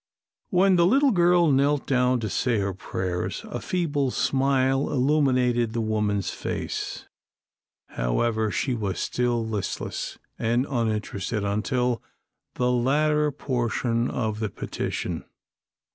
When the little girl knelt down to say her prayers, a feeble smile illuminated the woman's face. However, she was still listless and uninterested, until the latter portion of the petition.